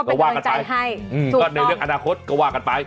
ก็ว่ากันไปก็ในเรื่องอนาคตก็ว่ากันไป